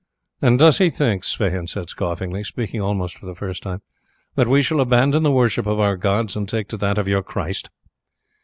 "And does he think," Sweyn said scoffingly, speaking almost for the first time, "that we shall abandon the worship of our gods and take to that of your Christ?"